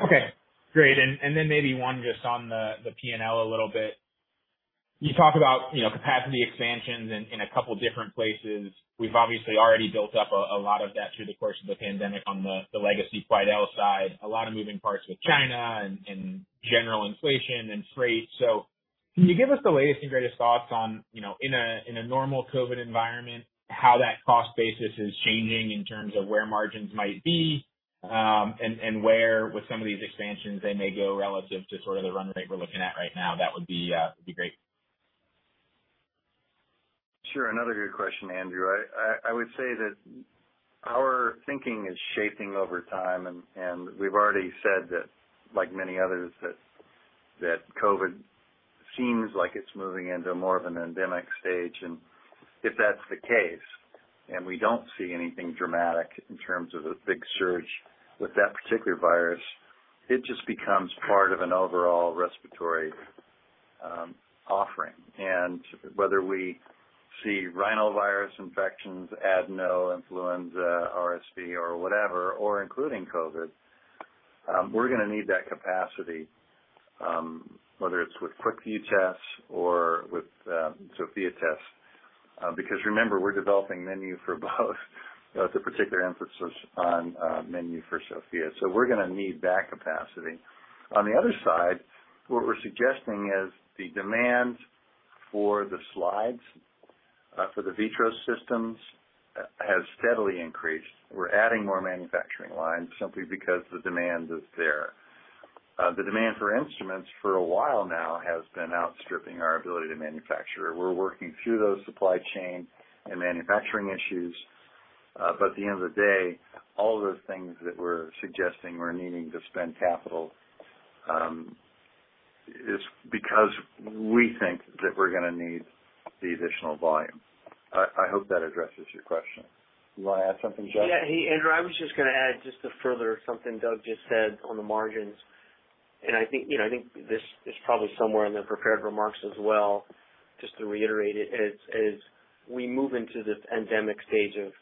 [SPEAKER 5] Okay, great. Then maybe one just on the P&L a little bit. You talk about, you know, capacity expansions in a couple different places. We've obviously already built up a lot of that through the course of the pandemic on the legacy Quidel side, a lot of moving parts with China and general inflation and freight. Can you give us the latest and greatest thoughts on, you know, in a normal COVID environment, how that cost basis is changing in terms of where margins might be, and where with some of these expansions they may go relative to sort of the run rate we're looking at right now? That would be great.
[SPEAKER 3] Sure. Another good question, Andrew. I would say that our thinking is shaping over time, and we've already said that, like many others, that COVID seems like it's moving into more of an endemic stage. If that's the case, we don't see anything dramatic in terms of a big surge with that particular virus. It just becomes part of an overall respiratory offering. Whether we see rhinovirus infections, adeno, influenza, RSV, or whatever, or including COVID, we're gonna need that capacity, whether it's with QuickVue tests or with Sofia tests. Because remember, we're developing menu for both, with a particular emphasis on menu for Sofia. We're gonna need that capacity. On the other side, what we're suggesting is the demand for the slides for the Vitros systems has steadily increased. We're adding more manufacturing lines simply because the demand is there. The demand for instruments for a while now has been outstripping our ability to manufacture. We're working through those supply chain and manufacturing issues, but at the end of the day, all of the things that we're suggesting we're needing to spend capital is because we think that we're gonna need the additional volume. I hope that addresses your question. You wanna add something, Joe?
[SPEAKER 4] Yeah. Hey, Andrew, I was just gonna add just to further something Doug just said on the margins, and I think, you know, I think this is probably somewhere in the prepared remarks as well, just to reiterate it. As we move into this endemic stage of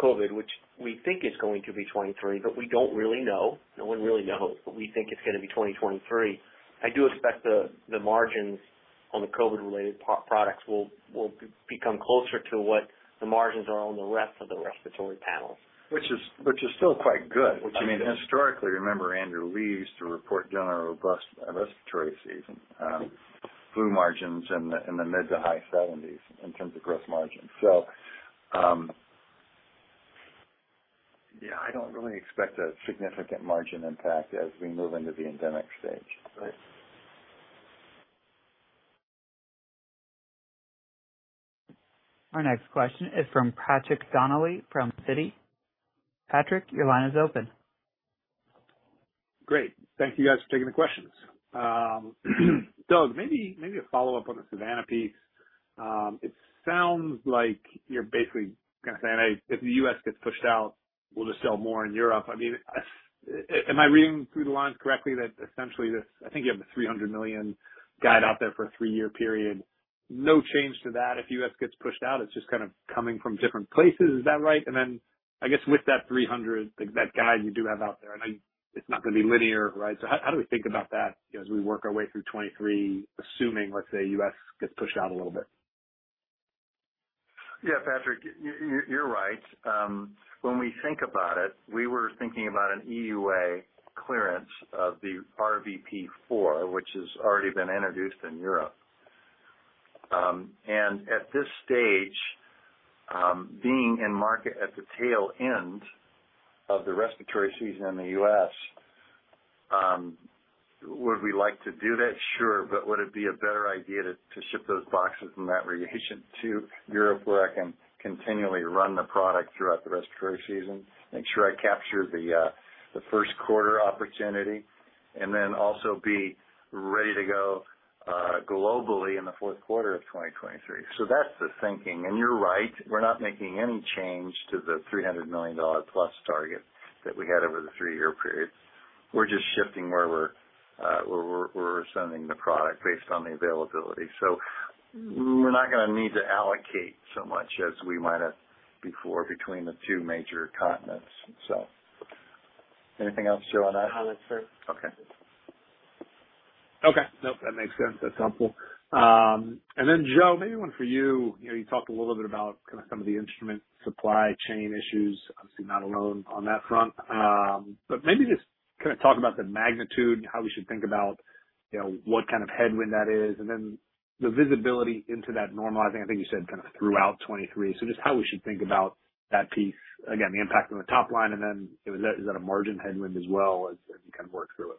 [SPEAKER 4] COVID, which we think is going to be 2023, but we don't really know. No one really knows, but we think it's gonna be 2023. I do expect the margins on the COVID related products will become closer to what the margins are on the rest of the respiratory panel.
[SPEAKER 3] Which is still quite good.
[SPEAKER 4] I think.
[SPEAKER 3] Which, I mean, historically, remember Andrew, we used to report during our robust respiratory season, flu margins in the mid- to high-70s% in terms of gross margin. Yeah, I don't really expect a significant margin impact as we move into the endemic stage.
[SPEAKER 4] Right.
[SPEAKER 1] Our next question is from Patrick Donnelly from Citi. Patrick, your line is open.
[SPEAKER 6] Great. Thank you guys for taking the questions. Doug, maybe a follow-up on the Savanna piece. It sounds like you're basically gonna say if the U.S. gets pushed out, we'll just sell more in Europe. I mean, am I reading between the lines correctly that essentially this I think you have the $300 million guide out there for a three-year period. No change to that. If U.S. gets pushed out, it's just kind of coming from different places. Is that right? Then I guess with that $300 million, like that guide you do have out there, and I. It's not gonna be linear, right? So how do we think about that as we work our way through 2023, assuming, let's say, U.S. gets pushed out a little bit?
[SPEAKER 3] Yeah, Patrick, you're right. When we think about it, we were thinking about an EUA clearance of the RVP4, which has already been introduced in Europe. At this stage, being in market at the tail end of the respiratory season in the U.S., would we like to do that? Sure. But would it be a better idea to ship those boxes from that region to Europe, where I can continually run the product throughout the respiratory season, make sure I capture the Q1 opportunity, and then also be ready to go globally in the Q4 of 2023. That's the thinking. You're right, we're not making any change to the $300 million-plus target that we had over the three-year period. We're just shifting where we're sending the product based on the availability. We're not gonna need to allocate so much as we might have before between the two major continents. Anything else, Joe, on that?
[SPEAKER 4] No, that's it.
[SPEAKER 3] Okay.
[SPEAKER 6] Okay. Nope, that makes sense. That's helpful. Joe, maybe one for you. You know, you talked a little bit about kind a some of the instrument supply chain issues, obviously not alone on that front. Maybe just kind a talk about the magnitude and how we should think about, you know, what kind of headwind that is. The visibility into that normalizing, I think you said kind a throughout 2023. Just how we should think about that piece, again, the impact on the top line, and then is that a margin headwind as well as you kind of work through it?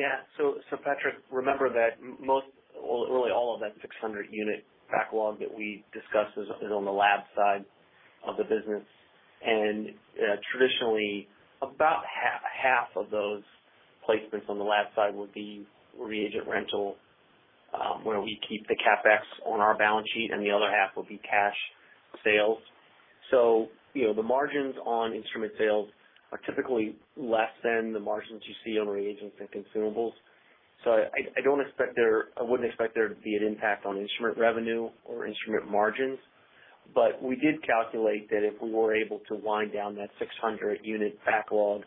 [SPEAKER 4] Yeah. Patrick, remember that most, well, really all of that 600 unit backlog that we discussed is on the lab side of the business. Traditionally, about half of those placements on the lab side would be reagent rental, where we keep the CapEx on our balance sheet and the other half will be cash sales. You know, the margins on instrument sales are typically less than the margins you see on reagents and consumables. I wouldn't expect there to be an impact on instrument revenue or instrument margins, but we did calculate that if we were able to wind down that 600 unit backlog,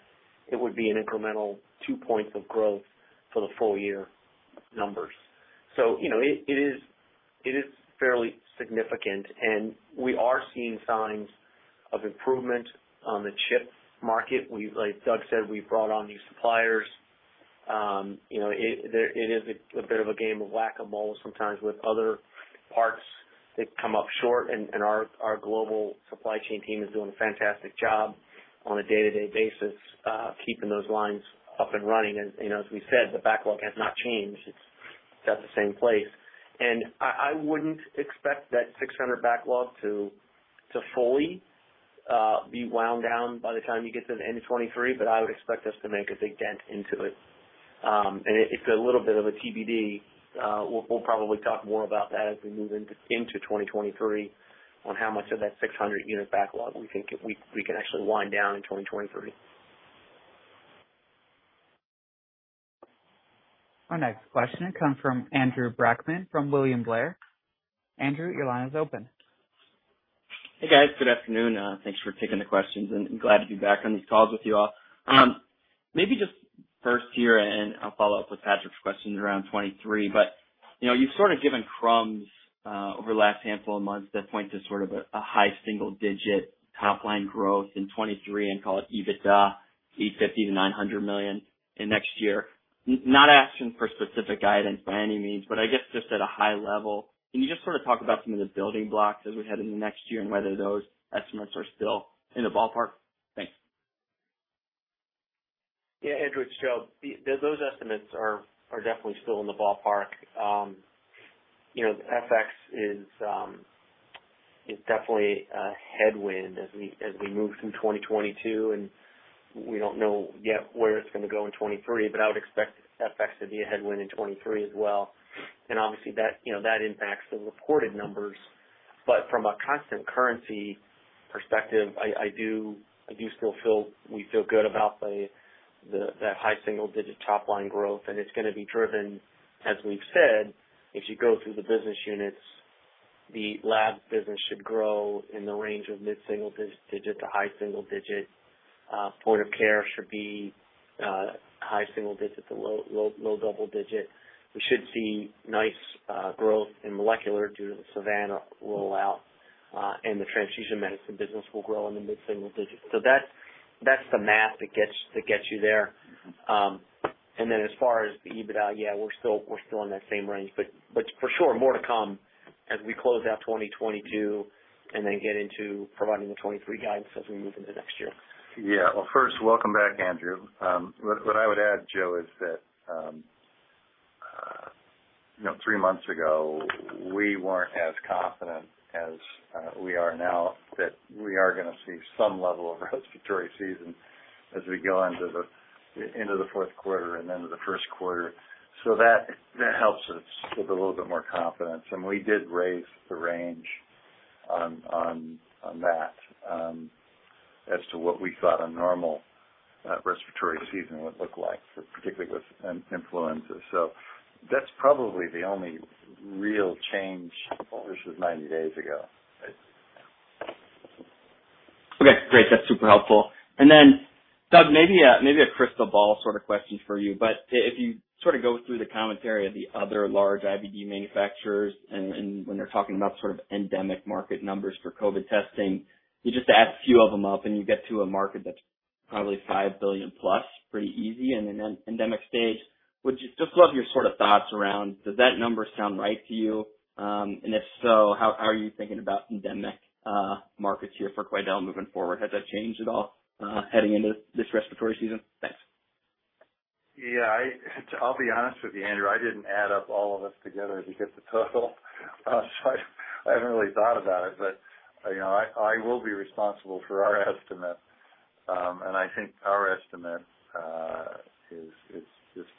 [SPEAKER 4] it would be an incremental 2% growth for the full year numbers. You know, it is fairly significant, and we are seeing signs of improvement on the chip market. Like Doug said, we've brought on new suppliers. You know, it is a bit of a game of whack-a-mole sometimes with other parts that come up short. Our global supply chain team is doing a fantastic job on a day-to-day basis, keeping those lines up and running. You know, as we said, the backlog has not changed. It's at the same place. I wouldn't expect that 600 backlog to fully be wound down by the time you get to the end of 2023, but I would expect us to make a big dent into it. It's a little bit of a TBD. We'll probably talk more about that as we move into 2023 on how much of that 600 unit backlog we can actually wind down in 2023.
[SPEAKER 1] Our next question comes from Andrew Brackmann from William Blair. Andrew, your line is open.
[SPEAKER 7] Hey, guys. Good afternoon. Thanks for taking the questions, and glad to be back on these calls with you all. Maybe just first here, and I'll follow up with Patrick's questions around 2023. You know, you've sort of given crumbs over the last handful of months that point to sort of a high single digit top line growth in 2023 and call it EBITDA $850 to 900 million in next year. Not asking for specific guidance by any means, but I guess just at a high level, can you just sort of talk about some of the building blocks as we head into next year and whether those estimates are still in the ballpark? Thanks.
[SPEAKER 4] Yeah, Andrew, it's Joe. Those estimates are definitely still in the ballpark. You know, FX is definitely a headwind as we move through 2022, and we don't know yet where it's gonna go in 2023, but I would expect FX to be a headwind in 2023 as well. Obviously that impacts the reported numbers. From a constant currency perspective, I do still feel we feel good about that high single-digit top-line growth. It's gonna be driven, as we've said, if you go through the business units, the lab business should grow in the range of mid-single-digit to high single-digit. Point of care should be high single-digit to low double-digit. We should see nice growth in molecular due to the Savanna rollout, and the transfusion medicine business will grow in the mid-single digits%. That's the math that gets you there. As far as the EBITDA, yeah, we're still in that same range. For sure more to come as we close out 2022 and then get into providing the 2023 guidance as we move into next year.
[SPEAKER 3] Yeah. Well, first, welcome back, Andrew. What I would add, Joe, is that you know, 3 months ago we weren't as confident as we are now that we are gonna see some level of respiratory season as we go into the Q4 and into the Q1. That helps us with a little bit more confidence. We did raise the range on that as to what we thought a normal respiratory season would look like, particularly with influenza. That's probably the only real change versus 90 days ago.
[SPEAKER 7] Okay, great. That's super helpful. Doug, maybe a crystal ball sort of question for you. If you sort of go through the commentary of the other large IVD manufacturers and when they're talking about sort of endemic market numbers for COVID testing, you just add a few of them up and you get to a market that's probably $5 billion-plus pretty easy in an endemic stage. Would you just love your sort of thoughts around does that number sound right to you? And if so, how are you thinking about endemic markets here for Quidel moving forward? Has that changed at all heading into this respiratory season? Thanks.
[SPEAKER 3] Yeah. I'll be honest with you, Andrew. I didn't add up all of us together to get the total. I haven't really thought about it, but, you know, I will be responsible for our estimate. I think our estimate is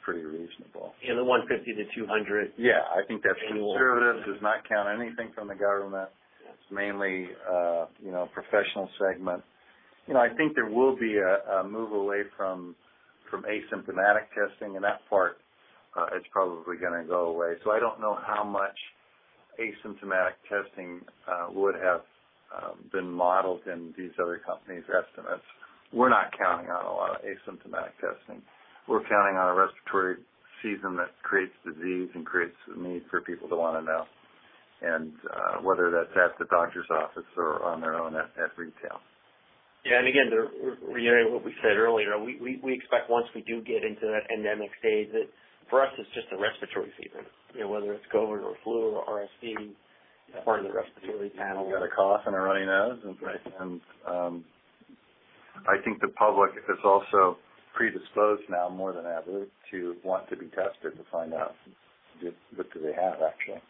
[SPEAKER 3] pretty reasonable.
[SPEAKER 4] In the one fifty to two hundred.
[SPEAKER 3] Yeah. I think that's conservative. It does not count anything from the government. It's mainly, you know, professional segment. You know, I think there will be a move away from asymptomatic testing, and that part is probably gonna go away. I don't know how much asymptomatic testing would have been modeled in these other companies' estimates. We're not counting on a lot of asymptomatic testing. We're counting on a respiratory season that creates disease and creates a need for people to wanna know, and whether that's at the doctor's office or on their own at retail.
[SPEAKER 4] To reiterate what we said earlier, we expect once we do get into that endemic stage that for us it's just a respiratory season, you know, whether it's COVID or flu or RSV, part of the respiratory panel.
[SPEAKER 3] You got a cough and a runny nose.
[SPEAKER 4] Right.
[SPEAKER 3] I think the public is also predisposed now more than ever to want to be tested to find out what do they have actually.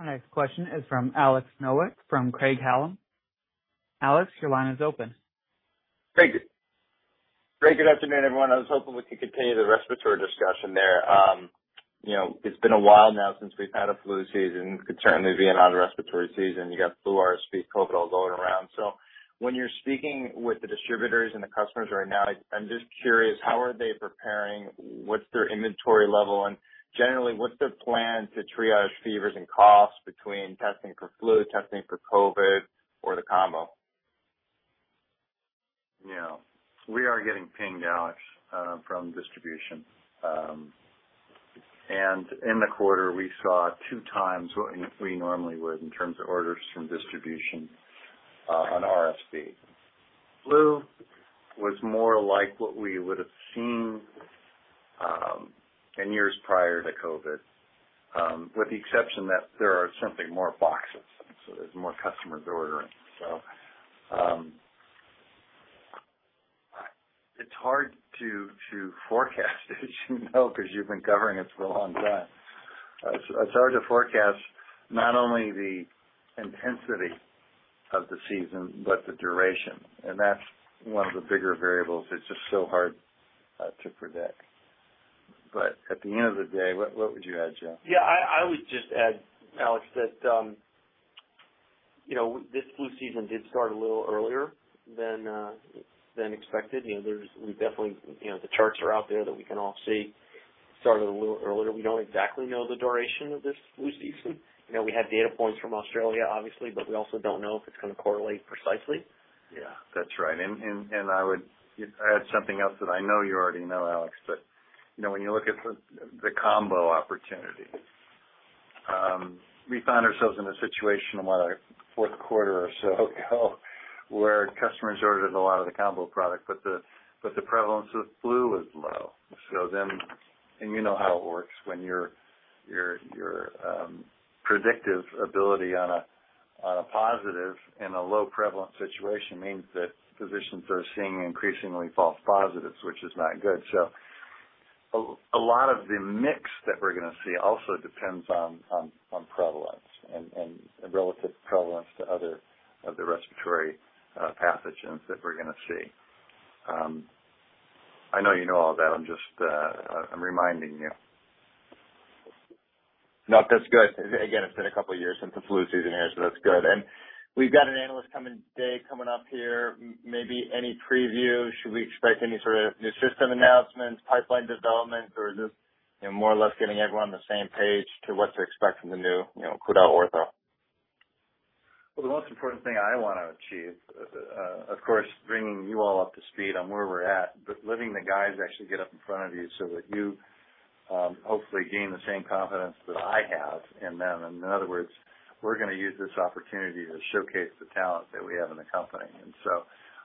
[SPEAKER 1] Our next question is from Alexander Nowak from Craig-Hallum. Alex, your line is open.
[SPEAKER 8] Thank you. Great. Good afternoon, everyone. I was hoping we could continue the respiratory discussion there. You know, it's been a while now since we've had a flu season. It could certainly be another respiratory season. You got flu, RSV, COVID all going around. When you're speaking with the distributors and the customers right now, I'm just curious, how are they preparing? What's their inventory level? And generally, what's their plan to triage fevers and coughs between testing for flu, testing for COVID, or the combo?
[SPEAKER 3] Yeah. We are getting pinged, Alex, from distribution. In the quarter, we saw two times what we normally would in terms of orders from distribution on RSV. Flu was more like what we would have seen in years prior to COVID, with the exception that there are simply more boxes. There's more customers ordering. It's hard to forecast as you know, 'cause you've been covering us for a long time. It's hard to forecast not only the intensity of the season but the duration, and that's one of the bigger variables that's just so hard to predict. At the end of the day, what would you add, Joe?
[SPEAKER 4] I would just add, Alex, that this flu season did start a little earlier than expected. You know, we definitely, you know, the charts are out there that we can all see. Started a little earlier. We don't exactly know the duration of this flu season. You know, we have data points from Australia, obviously, but we also don't know if it's gonna correlate precisely.
[SPEAKER 3] Yeah, that's right. I would add something else that I know you already know, Alex, but you know, when you look at the combo opportunity, we found ourselves in a situation in our Q4 or so ago where customers ordered a lot of the combo product, but the prevalence of flu was low. You know how it works when your predictive ability on a positive in a low-prevalence situation means that physicians are seeing increasingly false positives, which is not good. A lot of the mix that we're gonna see also depends on prevalence and relative prevalence to other of the respiratory pathogens that we're gonna see. I know you know all that. I'm just reminding you.
[SPEAKER 8] No, that's good. Again, it's been a couple years since the flu season here, so that's good. And we've got an analyst coming today, coming up here. Maybe any preview? Should we expect any sort of new system announcements, pipeline development, or just, you know, more or less getting everyone on the same page to what to expect from the new, you know, QuidelOrtho?
[SPEAKER 3] Well, the most important thing I wanna achieve, of course, bringing you all up to speed on where we're at, but letting the guys actually get up in front of you so that you, hopefully gain the same confidence that I have in them. In other words, we're gonna use this opportunity to showcase the talent that we have in the company.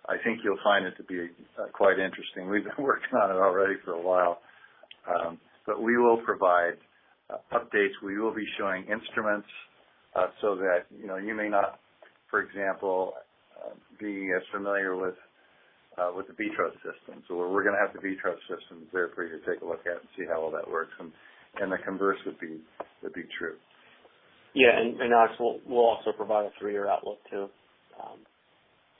[SPEAKER 3] I think you'll find it to be quite interesting. We've been working on it already for a while. We will provide updates. We will be showing instruments, so that you know, you may not, for example, be as familiar with the Vitros system. We're gonna have the Vitros system there for you to take a look at and see how all that works and the converse would be true.
[SPEAKER 4] Yeah. Alex, we'll also provide a three-year outlook too.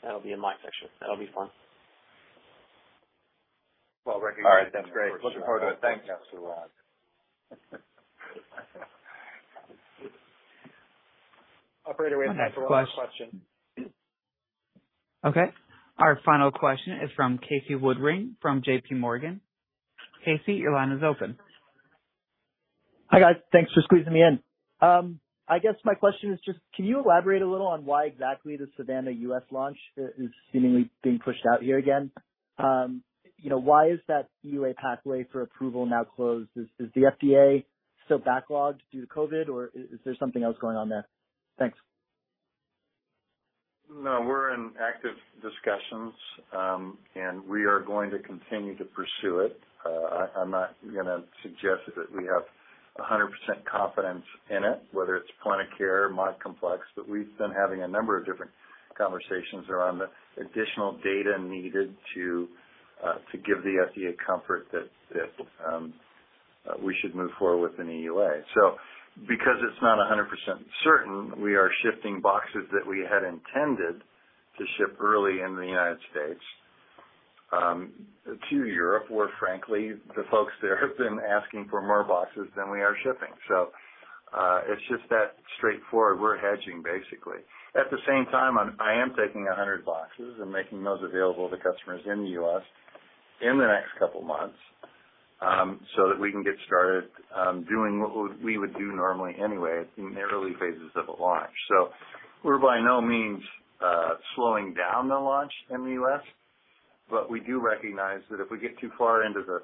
[SPEAKER 4] That'll be in my section. That'll be fun.
[SPEAKER 8] Well recognized. All right. That's great. Looking forward to it. Thanks. Operator, we have time for one more question.
[SPEAKER 1] Okay. Our final question is from Casey Woodring from JPMorgan. Casey, your line is open.
[SPEAKER 9] Hi, guys. Thanks for squeezing me in. I guess my question is just can you elaborate a little on why exactly the Savanna US launch is seemingly being pushed out here again? You know, why is that EUA pathway for approval now closed? Is the FDA still backlogged due to COVID, or is there something else going on there? Thanks.
[SPEAKER 3] No, we're in active discussions, and we are going to continue to pursue it. I'm not gonna suggest that we have 100% confidence in it, whether it's point of care or mod complex, but we've been having a number of different conversations around the additional data needed to give the FDA comfort that we should move forward with an EUA. Because it's not 100% certain, we are shifting boxes that we had intended to ship early in the United States to Europe, where frankly, the folks there have been asking for more boxes than we are shipping. It's just that straightforward. We're hedging basically. At the same time, I am taking 100 boxes and making those available to customers in the US in the next couple months, so that we can get started, doing what we would do normally anyway in the early phases of a launch. We're by no means slowing down the launch in the US, but we do recognize that if we get too far into the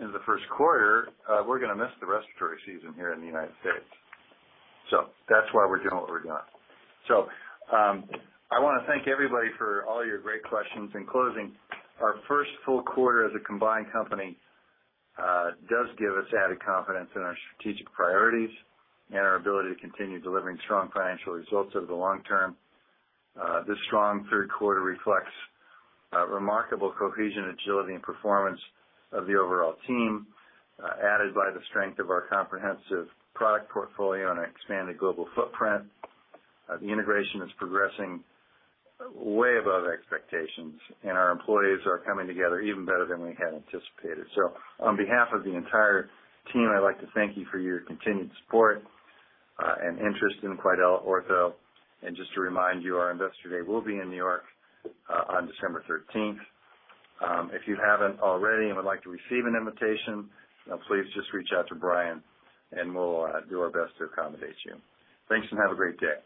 [SPEAKER 3] Q1, we're gonna miss the respiratory season here in the United States. That's why we're doing what we're doing. I wanna thank everybody for all your great questions. In closing, our first full quarter as a combined company does give us added confidence in our strategic priorities and our ability to continue delivering strong financial results over the long term. This strong Q3 reflects remarkable cohesion, agility, and performance of the overall team, added by the strength of our comprehensive product portfolio and expanded global footprint. The integration is progressing way above expectations, and our employees are coming together even better than we had anticipated. On behalf of the entire team, I'd like to thank you for your continued support and interest in QuidelOrtho. Just to remind you, our investor day will be in New York on December thirteenth. If you haven't already and would like to receive an invitation, please just reach out to Brian and we'll do our best to accommodate you. Thanks and have a great day.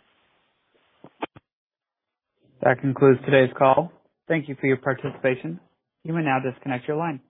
[SPEAKER 1] That concludes today's call. Thank you for your participation. You may now disconnect your line.